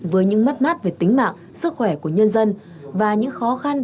với những mất mát về tính mạng sức khỏe của nhân dân và những khó khăn